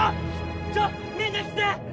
ちょみんな来て！